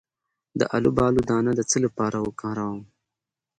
د الوبالو دانه د څه لپاره وکاروم؟